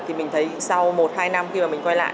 thì mình thấy sau một hai năm khi mà mình quay lại